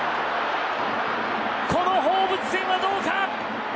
この放物線はどうか。